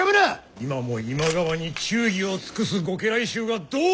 今も今川に忠義を尽くすご家来衆がどう思うか！